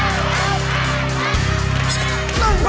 กิฟต์ครับ